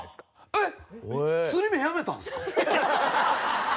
えっ？